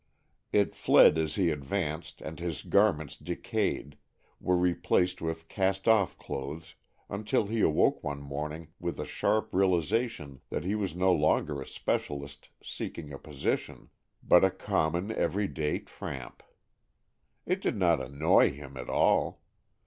It fled as he advanced, and his garments decayed, were replaced with cast off clothes, until he awoke one morning with a sharp realization that he was no longer a specialist seeking a position, but a common, every day tramp. It did not annoy him at all.